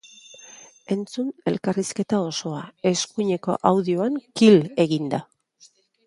Entzun elkarrizketa osoa, eskuineko audioan kil eginda!